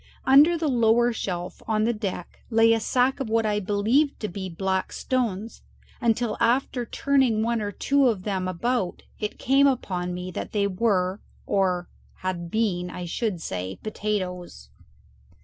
Under the lower shelf, on the deck, lay a sack of what I believed to be black stones until, after turning one or two of them about, it came upon me that they were, or had been, I should say, potatoes.